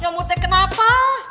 nyumbuh teh kenapa